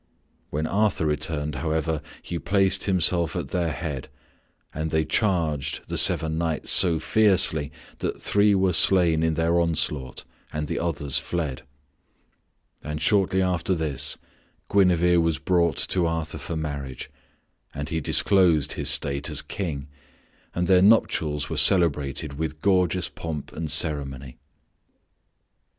When Arthur returned, however, he placed himself at their head and they charged the seven knights so fiercely that three were slain in their onslaught and the others fled. And shortly after this Guinevere was brought to Arthur for marriage, and he disclosed his state as King, and their nuptials were celebrated with gorgeous pomp and ceremony.